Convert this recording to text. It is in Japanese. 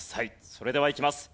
それではいきます。